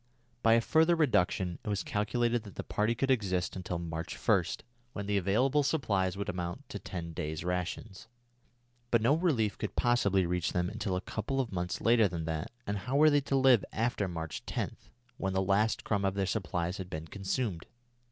By a further reduction it was calculated that the party could exist until March 1, when the available supplies would amount to ten days' rations. But no relief could possibly reach them until a couple of months later than that, and how were they to live after March 10, when the last crumb of their supplies had been consumed?